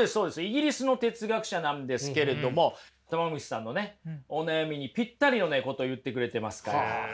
イギリスの哲学者なんですけれどもたま虫さんのお悩みにピッタリのこと言ってくれてますから。